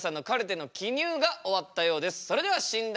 それでは診断